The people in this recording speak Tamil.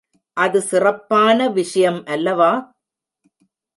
அது சிறப்பான விஷயம் அல்லவா?